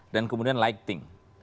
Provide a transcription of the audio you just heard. dan kemudian lighting